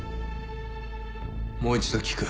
もう一度聞く。